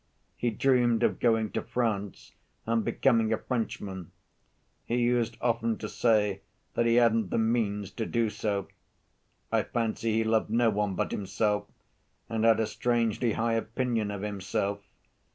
He dreamed of going to France and becoming a Frenchman. He used often to say that he hadn't the means to do so. I fancy he loved no one but himself and had a strangely high opinion of himself.